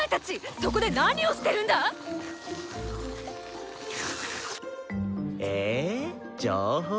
そこで何をしてるんだ⁉えー？情報？